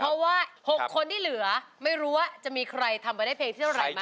เพราะว่า๖คนที่เหลือไม่รู้ว่าจะมีใครทำไปได้เพลงที่เท่าไหร่มา